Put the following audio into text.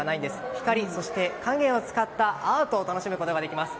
光、影を使ったアートを楽しむことができます。